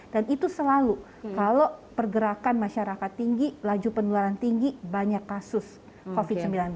dan itu selalu kalau pergerakan masyarakat tinggi laju penularan tinggi banyak kasus covid sembilan belas